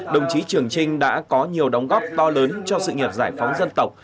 đồng chí trường trinh đã có nhiều đóng góp to lớn cho sự nghiệp giải phóng dân tộc